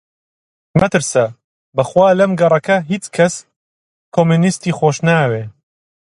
مەترسە! بە خوا لەم گەڕەکە هیچ کەس کۆمۆنیستی خۆش ناوێ